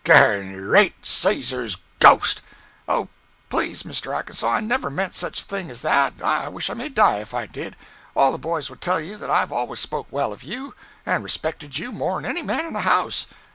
Ger reat Caesar's ghost—" "Oh, please, Mr. Arkansas, I never meant such a thing as that, I wish I may die if I did. All the boys will tell you that I've always spoke well of you, and respected you more'n any man in the house.